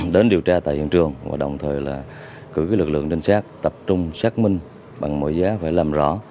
đến điều tra tại hiện trường và đồng thời là cử lực lượng trinh sát tập trung xác minh bằng mọi giá phải làm rõ